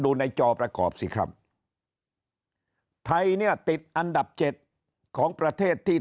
ดูในจอประกอบสิครับไทยเนี่ยติดอันดับเจ็ดของประเทศที่